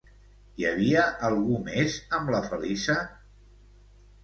Hi havia algú més amb la Feliça?